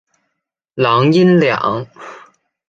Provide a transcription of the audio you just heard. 阆音两。